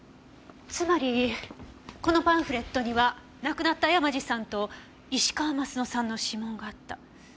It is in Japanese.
つまりこのパンフレットには亡くなった山路さんと石川鱒乃さんの指紋があった。